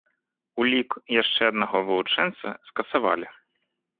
Улік яшчэ аднаго вылучэнца скасавалі.